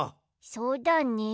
そうだね。